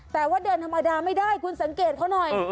แต่ว่าเดินธรรมดาไม่ได้คุณสังเกตเขาหน่อย